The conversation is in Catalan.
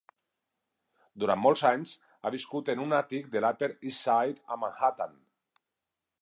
Durant molts anys, ha viscut en un àtic de l'Upper East Side a Manhattan.